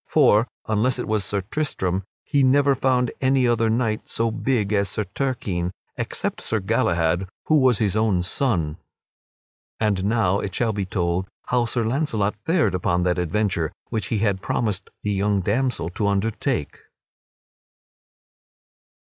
For, unless it was Sir Tristram, he never found any other knight so big as Sir Turquine except Sir Galahad, who was his own son. And now it shall be told how Sir Launcelot fared upon that adventure which he had promised the young damsel to undertake.